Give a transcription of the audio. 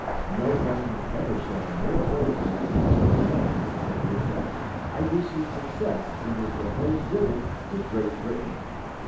No one has ever shown more bravery on the Western plains than yourself. I wish you success in your proposed visit to Great Britain.